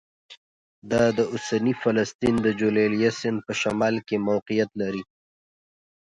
دا د اوسني فلسطین د جلیلیه سیند په شمال کې موقعیت لري